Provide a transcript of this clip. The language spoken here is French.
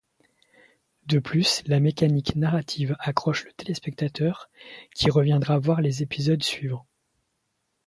De plus, la mécanique narrative accroche le téléspectateur qui reviendra voir les épisodes suivants.